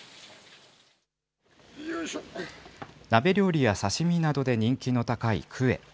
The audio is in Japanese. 鍋料理や刺身などで人気の高い、クエ。